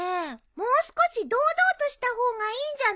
もう少し堂々とした方がいいんじゃない？